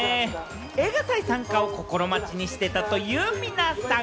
映画祭参加を心待ちにしていたという皆さん。